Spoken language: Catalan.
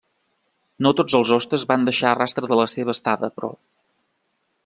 No tots els hostes van deixar rastre de la seva estada, però.